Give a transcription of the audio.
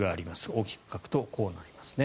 大きく描くとこうなりますね。